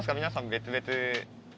皆さん別々。